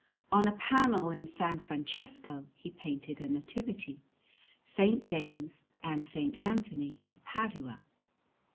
On a panel in S. Francesco he painted a Nativity, S. James, and S. Anthony of Padua.